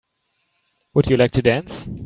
Would you like to dance?